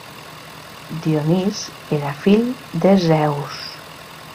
Dionís era fill de Zeus.